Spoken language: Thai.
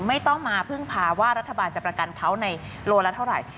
ไม่ต้องมาพึ่งพาว่ารัฐบาลจะประกันเขาในโลละเท่าไหร่